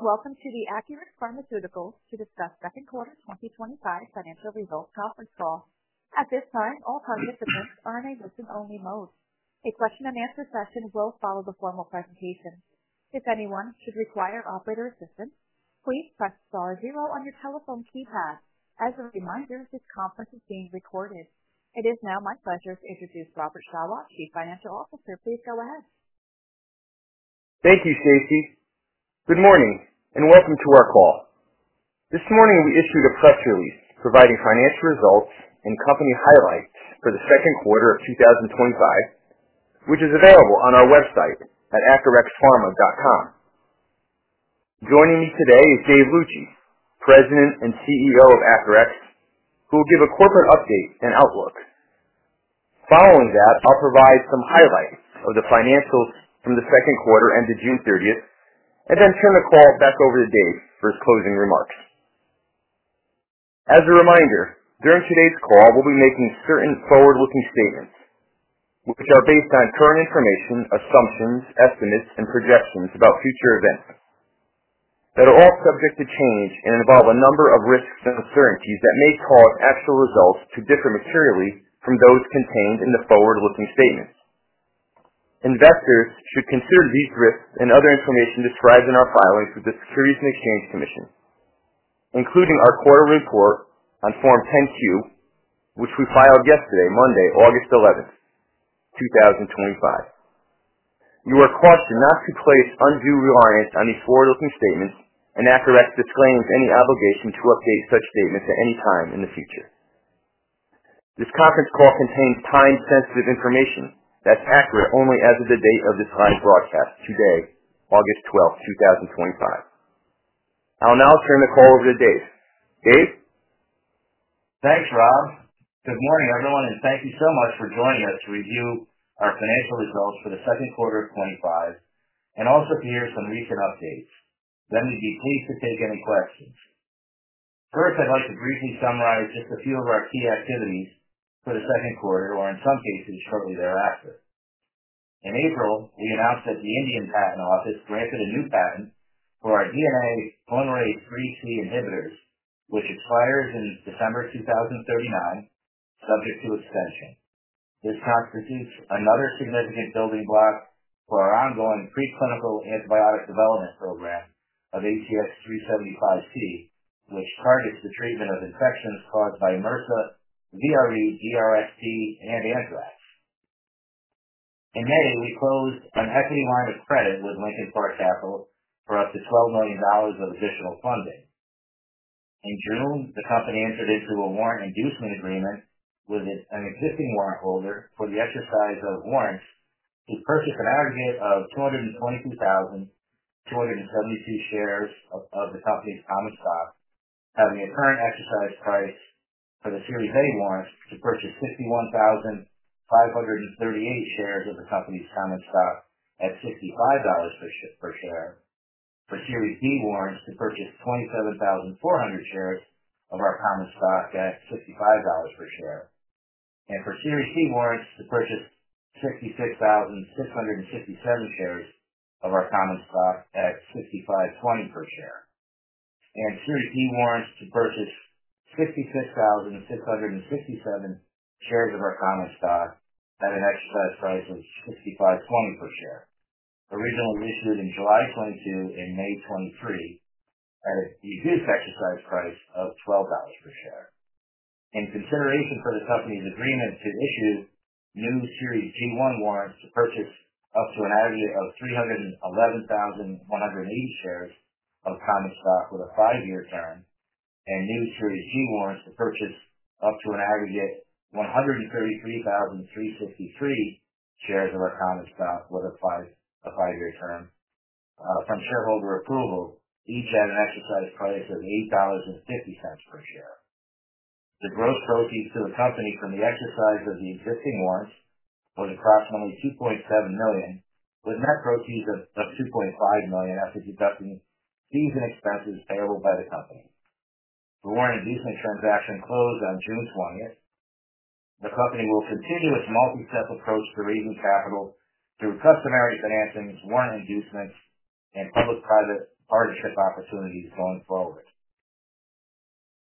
Welcome to the Acurx Pharmaceuticals to discuss second quarter 2025 financial results conference call. At this time, all participants are in a listen-only mode. A question-and-answer session will follow the formal presentation. If anyone should require operator assistance, please press Star, zero on your telephone keypad. As a reminder, this conference is being recorded. It is now my pleasure to introduce Robert Shawah, Chief Financial Officer. Please go ahead. Thank you, Stacy. Good morning and welcome to our call. This morning, we issued a press release providing financial results and company highlights for the second quarter of 2025, which is available on our website at acurxpharma.com. Joining me today is David Luci, President and CEO of Acurx Pharmaceuticals, who will give a corporate update and outlook. Following that, I'll provide some highlights of the financials from the second quarter ending June 30th and then turn the call back over to David for his closing remarks. As a reminder, during today's call, we'll be making certain forward-looking statements, which are based on current information, assumptions, estimates, and projections about future events. They're all subject to change and involve a number of risks and uncertainties that may cause actual results to differ materially from those contained in the forward-looking statements. Investors should consider these risks and other information described in our filing through the Securities and Exchange Commission, including our quarterly report on Form 10-Q, which we filed yesterday, Monday, August 11th, 2025. You are cautioned not to place undue reliance on these forward-looking statements, and Acurx Pharmaceuticals disclaims any obligation to update such statements at any time in the future. This conference call contains time-sensitive information that's accurate only as of the date of this live broadcast today, August 12th, 2025. I'll now turn the call over to David. David? Thanks, Rob. Good morning, everyone, and thank you so much for joining us to review our financial results for the second quarter of 2025 and also hear some recent updates. We'll be pleased to take any questions. First, I'd like to briefly summarize just a few of our key activities for the second quarter, or in some cases, probably thereafter. In April, we announced that the Indian Patent Office granted a new patent for our DNA polymerase IIIC inhibitors, which expires in December 2039, subject to extension. This constitutes another significant building block for our ongoing preclinical antibiotic development program of ACX-375C, which targets the treatment of infections caused by MRSA, VRE, VRSP, and anthrax. In May, we closed an equity line of credit with Lincoln Park Capital for up to $12 million of additional funding. In June, the company entered into a warrant inducement agreement with an existing warrant holder for the exercise of warrants to purchase an aggregate of 222,272 shares of the company's common stock, having a current exercise price for the Series A warrants to purchase 51,538 shares of the company's common stock at $65 per share, for Series B warrants to purchase 27,400 shares of our common stock at $65 per share, for Series C warrants to purchase 66,667 shares of our common stock at $65.20 per share, and Series D warrants to purchase 66,667 shares of our common stock at an exercise price of $65.20 per share. The original agreement was dated July 2022 and May 2023 at this exercise price of $12 per share. To ensure anything for the company's agreements to issue, new Series C1 warrants to purchase up to an aggregate of 311,180 shares of common stock with a five-year term, and new Series C warrants to purchase up to an aggregate of 133,353 shares of our common stock with a five-year term from shareholder approval, each at an exercise price of $8.50 per share. The gross proceeds to the company from the exercise of the existing warrants were approximately $2.7 million, with net proceeds of $2.5 million after deducting fees and expenses payable by the company. The warrant inducement transaction closed on June 20th. The company will continue its multi-step approach to raising capital through customary financing, warrant inducements, and public-private partnership opportunities going forward.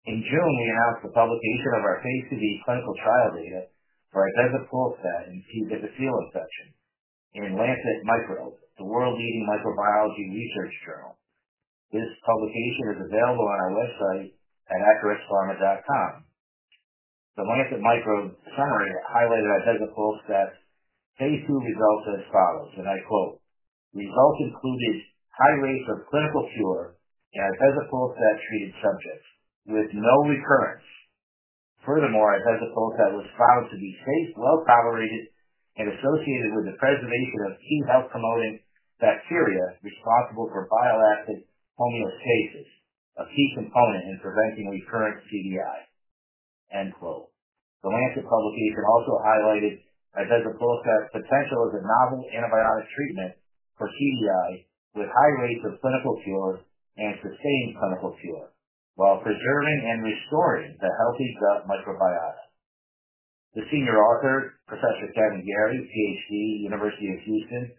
In June, we announced the publication of our ibezapolstat clinical trial data for Clostridioides difficile infection in The Lancet Microbe, the world-leading microbiology research journal. This publication is available on our website at acurxpharma.com. The Lancet Microbe summary highlighted our ibezapolstat phase II results as follows, and I quote, "The results included high rates of clinical cure in our ibezapolstat subjects with no recurrence. Furthermore, our ibezapolstat was found to be safe, well-tolerated, and associated with the preservation of key health-promoting bacteria responsible for bioactive homeostasis, a key component in preventing recurrent CDI." The Lancet publication also highlighted our ibezapolstat's potential as a novel antibiotic treatment for CDI with high rates of clinical cure and sustained clinical cure, while preserving and restoring the healthy gut microbiota. The senior author, Professor Kevin Garey, PhD, University of Houston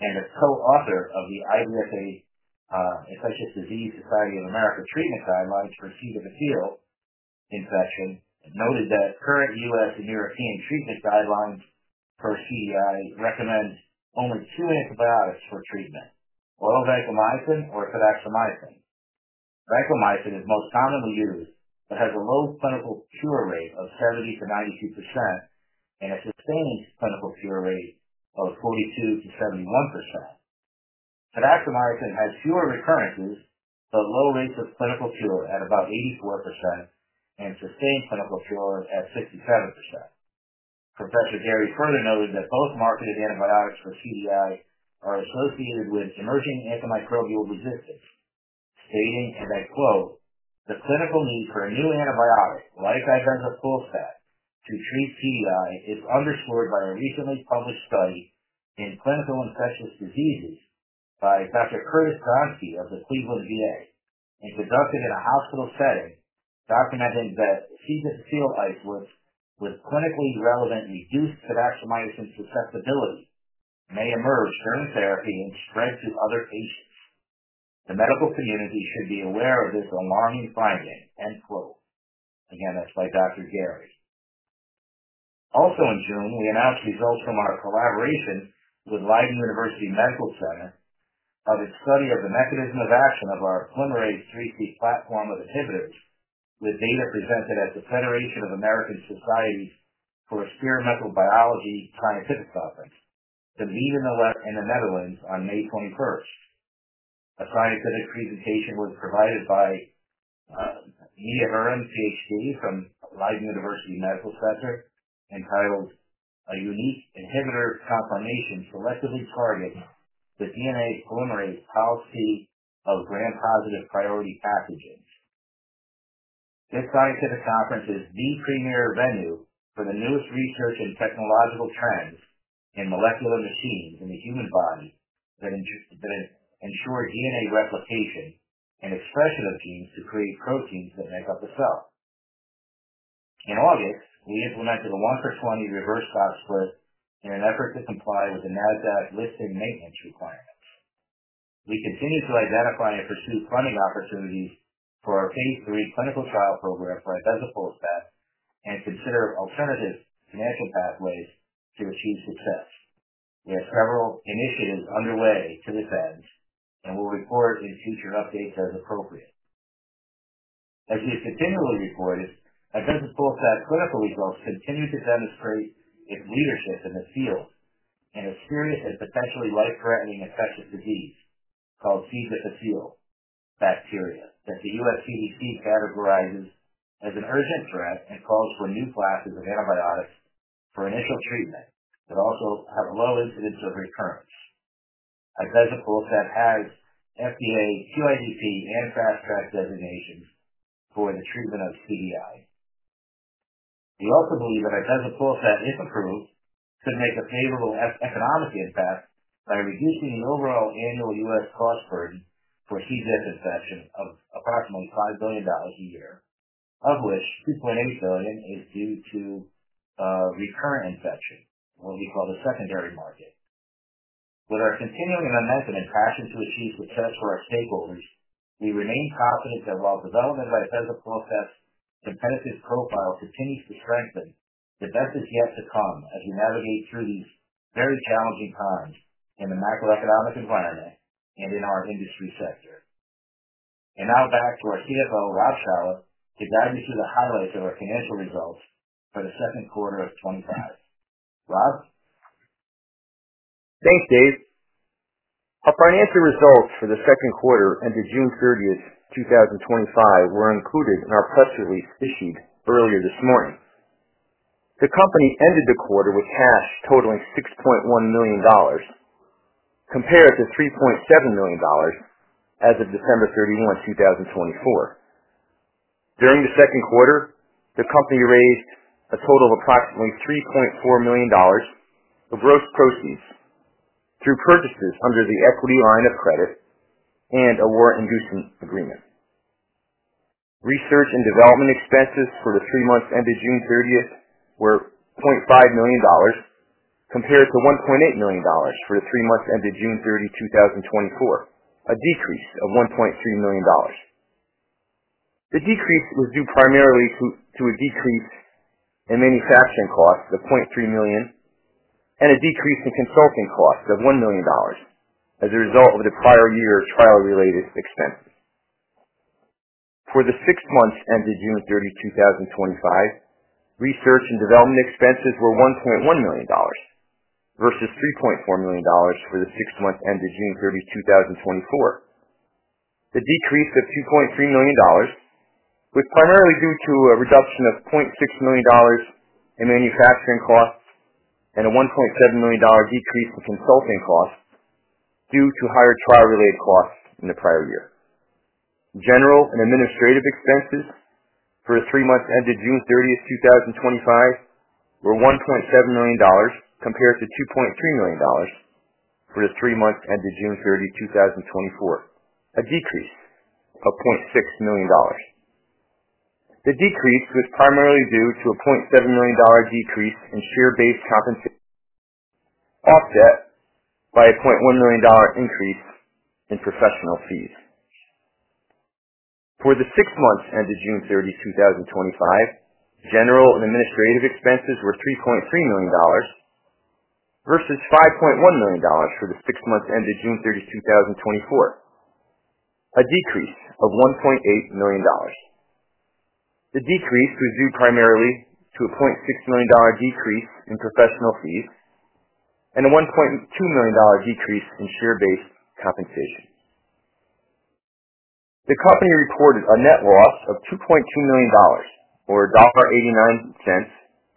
and a co-author of the IDSA Infectious Diseases Society of America Treatment Guidelines for C. difficile infection, noted that current U.S., and European treatment guidelines for CDI recommend only two antibiotics for treatment: oral vancomycin or fidaxomicin. Vancomycin is most commonly used but has a low clinical cure rate of 70%-92% and a sustained clinical cure rate of 42%-71%. Fidaxomicin has fewer recurrences, but low rates of clinical cure at about 84% and sustained clinical cure at 67%. Professor Garey further noted that both marketed antibiotics for CDI are associated with emerging antimicrobial resistance, stating and I quote, "The clinical need for a new antibiotic, like ibezapolstat, to treat CDI is underscored by a recently published study in Clinical Infectious Diseases by Dr. Curtis Donskey of the Cleveland VA, and conducted in a hospital setting, documenting that C. difficile isolates with clinically relevant reduced fidaxomicin susceptibility may emerge during therapy and prevent other patients. The medical community should be aware of this alarming finding." End quote. Again, that's by Dr. Garey. Also in June, we announced results from our collaboration with Leiden University Medical Center on its study of the mechanism of action of our DNA polymerase IIIC platform of inhibitors, with data presented at the Federation of American Societies for Experimental Biology Scientific Conference in the Netherlands on May 21st. A scientific presentation was provided by PhD from Leiden University Medical Center entitled, "A Unique Inhibitor Confirmation Selectively Targets the DNA Polymerase 3C of Gram-positive Priority Pathogens." This scientific conference is the premier venue for the newest research in technological trends in molecular machines in the human body that ensure DNA replication and expression of genes to create proteins that make up the cell. In August, we implemented a 1-for-20 reverse stock split in an effort to comply with the NASDAQ listing maintenance requirements. We continue to identify and pursue funding opportunities for our phase III clinical trial program for our ibezapolstat and consider alternative financial pathways to achieve success. We have several initiatives underway to defend and will report in future updates as appropriate. As we continually record, our ibezapolstat clinical results continue to demonstrate its leadership in the field and a serious and potentially life-threatening infectious disease called Clostridioides difficile infection that the U.S. CDC categorizes as an urgent threat and calls for new classes of antibiotics for initial treatment that also have a low incidence of recurrence. Our ibezapolstat has FDA QIDP and Fast Track designations for the treatment of CDI. We also believe that our ibezapolstat, if approved, could make a favorable economic impact by reducing the overall annual U.S. cost burden for C. difficile infection of approximately $5 billion a year, of which $2.8 billion is due to recurrent infection, what we call the secondary market. With our continuing investment and passion to achieve success for our stakeholders, we remain confident that while development of our ibezapolstat's competitive profile continues to strengthen, the best is yet to come as we navigate through these very challenging times in the macroeconomic environment and in our industry sector. Now back to our CFO, Robert Shawah, to guide me through the highlights of our financial results for the second quarter of 2025. Rob? Thanks, Dave. Our financial results for the second quarter ending June 30th, 2025, were included in our press release issued earlier this morning. The company ended the quarter with cash totaling $6.1 million, compared to $3.7 million as of December 31, 2024. During the second quarter, the company raised a total of approximately $3.4 million of gross proceeds through purchases under the equity line of credit and a warrant inducement agreement. Research and development expenses for the three months ending June 30th were $0.5 million, compared to $1.8 million for the three months ending June 30th, 2024, a decrease of $1.3 million. The decrease was due primarily to a decrease in manufacturing costs of $0.3 million and a decrease in consulting costs of $1 million as a result of the prior year trial-related expenses. For the six months ending June 30th, 2025, research and development expenses were $1.1 million versus $3.4 million for the six months ending June 30, 2024. The decrease of $2.3 million was primarily due to a reduction of $0.6 million in manufacturing costs and a $1.7 million decrease in consulting costs due to higher trial-related costs in the prior year. General and administrative expenses for the three months ending June 30, 2025, were $1.7 million compared to $2.3 million for the three months ending June 30, 2024, a decrease of $0.6 million. The decrease was primarily due to a $0.7 million decrease in share-based compensation and a $0.1 million increase in professional fees. For the six months ending June 30, 2025, general and administrative expenses were $3.3 million versus $5.1 million for the six months ending June 30, 2024, a decrease of $1.8 million. The decrease was due primarily to a $0.6 million decrease in professional fees and a $1.2 million decrease in share-based compensation. The company reported a net loss of $2.2 million or $1.89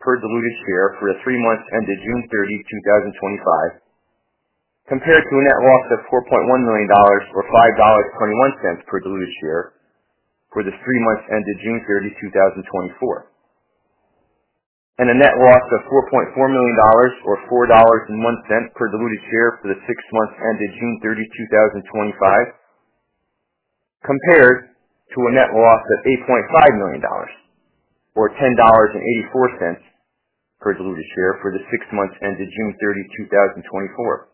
per diluted share for the three months ending June 30, 2025, compared to a net loss of $4.1 million or $5.21 per diluted share for the three months ending June 30, 2024. The company reported a net loss of $4.4 million or $4.01 per diluted share for the six months ending June 30, 2025, compared to a net loss of $8.5 million or $10.84 per diluted share for the six months ending June 30, 2024,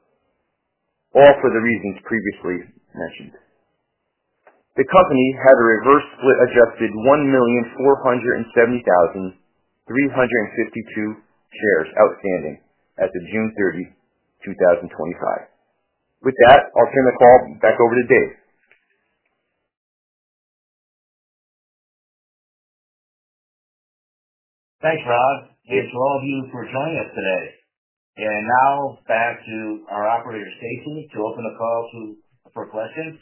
all for the reasons previously mentioned. The company had a reverse split adjusted 1,470,352 shares outstanding as of June 30, 2025. With that, I'll turn the call back over to David. Thanks, Rob, and to all of you for joining us today. Now back to our operator, Stacy, to open the call to questions.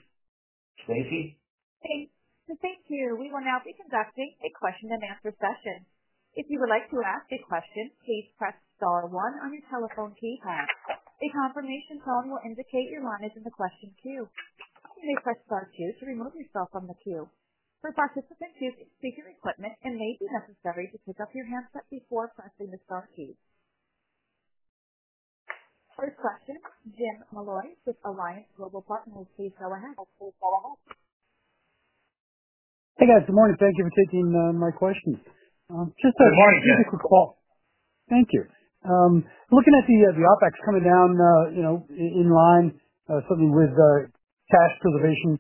Stacy? Thanks. To stay here, we will now be conducting a question-and-answer session. If you would like to ask a question, please press Star, one on your telephone keypad. A confirmation tone will indicate your line is in the question queue. You may press Star, two to remove yourself from the queue. For participants using speaker equipment, it may be necessary to take off your handset before pressing the star two. First question, James Molloy with Alliance Global Partners in Sea Shore. Hey, guys. Good morning. Thank you for taking my questions. Just a quick call. Thank you. Looking at the OpEx coming down, you know, in line certainly with cash preservation,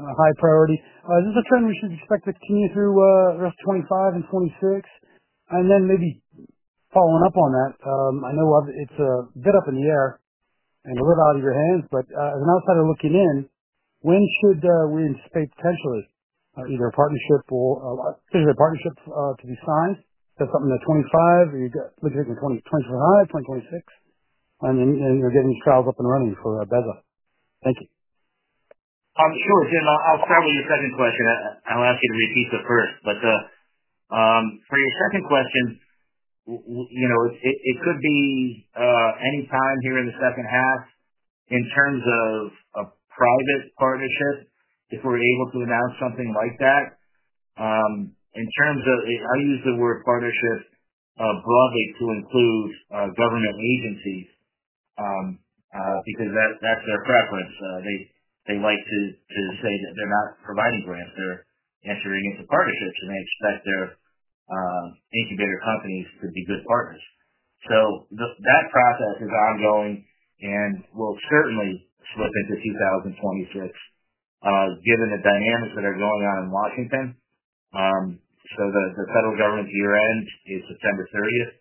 high priority. This is a trend we should expect to continue through the rest of 2025 and 2026. Maybe following up on that, I know it's a bit up in the air and a little out of your hands, but as an outsider looking in, when should we anticipate potentially either a partnership or, particularly, a particular partnership to be signed? Is that something that 2025 or you're looking at in 2025 or 2026? I mean, and you're getting trials up and running for ibezapolstat. Thank you. I'll start with your second question. I'll ask you to repeat the first. For your second question, it could be any time here in the second half in terms of a private partnership if we're able to announce something like that. I use the word partnership broadly to include government agencies, because that's their preference. They like to say that they're not providing grants. They're entering into partnerships and they expect their incubator companies to be good partners. That process is ongoing and will certainly look into 2026, given the dynamics that are going on in Washington. The federal government's year-end is September 30th.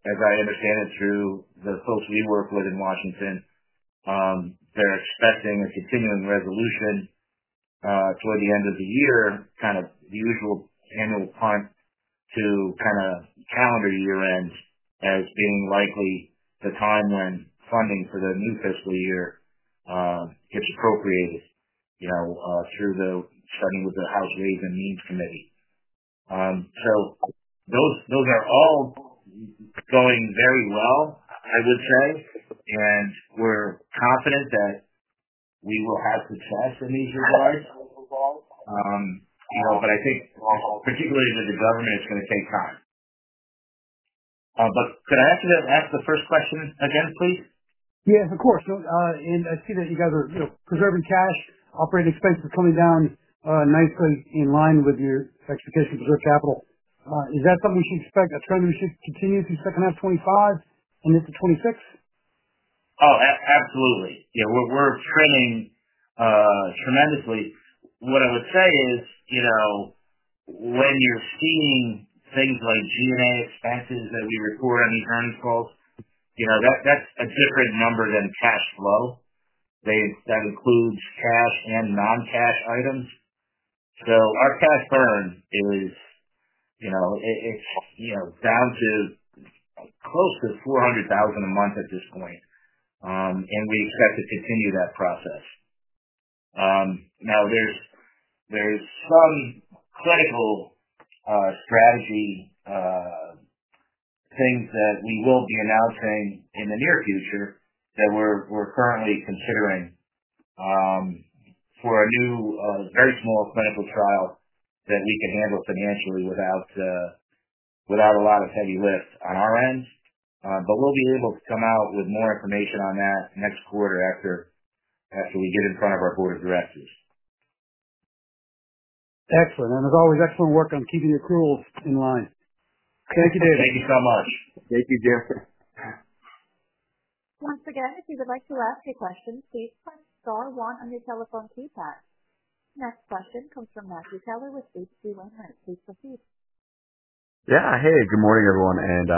As I understand it through the folks we work with in Washington, they're expecting a continuing resolution toward the end of the year, kind of the usual annual punt to calendar year-end as being likely the time when funding for the new fiscal year gets appropriated through the funding with the House Raise and Needs Committee. Those are all going very well, I would say. We're confident that we will have success in these regards. I think particularly that the government is going to take time. Could I ask you to ask the first question again, please? Yes, of course. I see that you guys are, you know, preserving cash, operating expenses coming down, nicely in line with your expectations of good capital. Is that something we should expect, a trend that should continue to expect in the next 2025 and into 2026? Absolutely. Yeah, we're trending tremendously. What I would say is, when you're seeing things like G&A expenses that we report on these earnings calls, that's a different number than cash flow. That includes cash and non-cash items. Our cash burn is down to close to $400,000 a month at this point, and we expect to continue that process. There are some clinical strategy things that we will be announcing in the near future that we're currently considering for a new, very small clinical trial that we can handle financially without a lot of heavy lifts on our end. We'll be able to come out with more information on that next quarter after we get in front of our board of directors. Excellent. As always, excellent work on keeping the accruals in line. Thank you, David. Thank you so much. Thank you, Jason. Once again, if you would like to ask a question, please press Star, one on your telephone keypad. Next question comes from Matthew Taylor with HC100. Please proceed. Yeah. Hey, good morning, everyone, and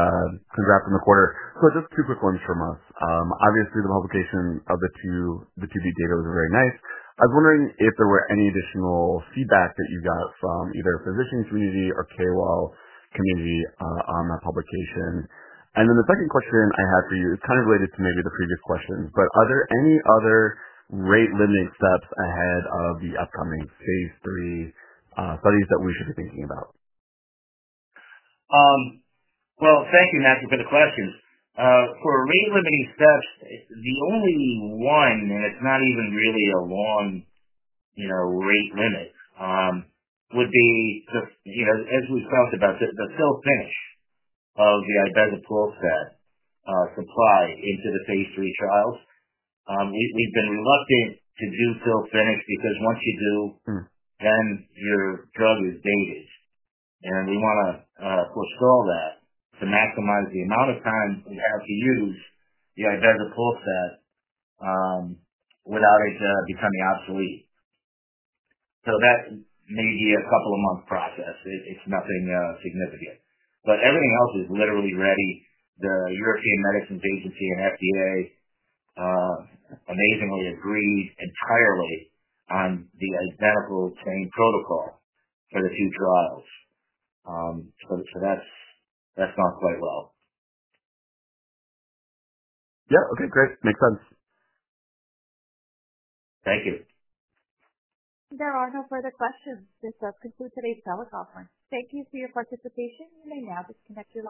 congrats on the quarter. Just two quick ones from us. Obviously, the publication of the two, the two big data was very nice. I was wondering if there were any additional feedback that you got from either the physician community or KOL community on that publication. The second question I have for you is kind of related to maybe the previous questions, but are there any other rate-limiting steps ahead of the upcoming phase III studies that we should be thinking about? Thank you, Matthew, for the questions. For rate-limiting steps, the only one, and it's not even really a long rate limit, would be just, as we've talked about, the cell phenics of the ibezapolstat supply into the phase III trials. We've been reluctant to do cell phenics because once you do, then your drug is dangerous. We want to postpone that to maximize the amount of time we have to use the ibezapolstat without it becoming obsolete. That may be a couple of months process. It's nothing significant. Everything else is literally ready. The European Medicines Agency and FDA, amazingly, agreed entirely on the identical chain protocol for the two trials. That's gone quite well. Okay. Great. Makes sense. Thank you. There are no further questions. This does conclude today's teleconference. Thank you for your participation. You may now be disconnected.